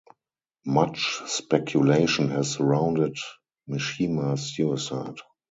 Much speculation has surrounded Mishima's suicide.